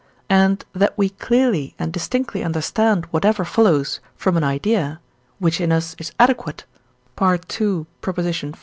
and that we clearly and distinctly understand whatever follows from an idea, which in us is adequate (II. xl.)